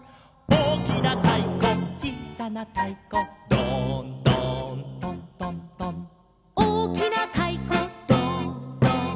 「おおきなたいこちいさなたいこ」「ドーンドーントントントン」「おおきなたいこドーンドーン」